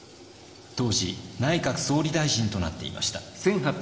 当時内閣総理大臣となっていました。